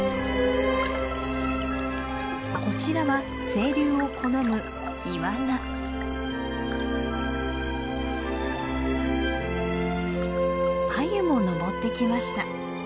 こちらは清流を好むアユも上ってきました。